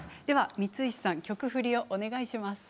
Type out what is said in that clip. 光石さん曲の振りをお願いします。